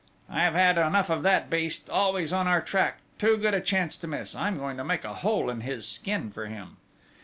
"I have had enough of that beast! Always on our track! Too good a chance to miss! I'm going to make a hole in his skin for him!"